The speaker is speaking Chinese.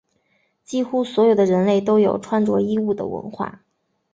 几乎所有的人类都有穿着衣物的文化。